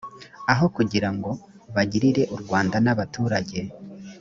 aho kugira ngo bagirire u rwanda n abaturage